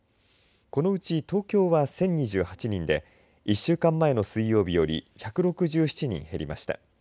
このうち東京は１０２８人で１週間前の水曜日より１６７人減りました。